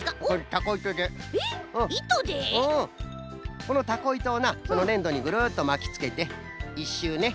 このタコいとをなそのねんどにぐるっとまきつけて１しゅうね。